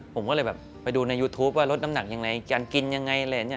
ผมก็เลยแบบไปดูในยูทูปว่ารสน้ำหนักอย่างไร